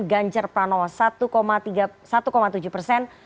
ganjar pranowo satu tujuh persen